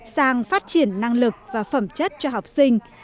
sang phát triển năng lực và phẩm chất cho học sinh